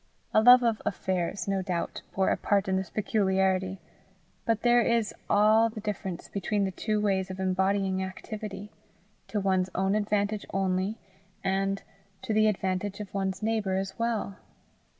A love of affairs, no doubt, bore a part in this peculiarity, but there is all the difference between the two ways of embodying activity to one's own advantage only, and to the advantage of one's neighbour as well.